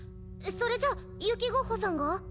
それじゃユキゴッホさんが？